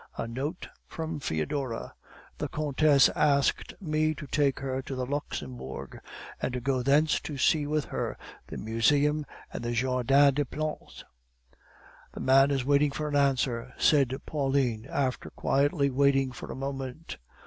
a note from Foedora. The countess asked me to take her to the Luxembourg, and to go thence to see with her the Museum and Jardin des Plantes. "'The man is waiting for an answer,' said Pauline, after quietly waiting for a moment.